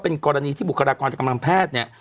เป็นกรณีที่บุคลากรกำลังแพทย์